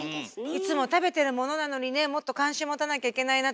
いつも食べてるものなのにねもっと関心持たなきゃいけないなと思いました。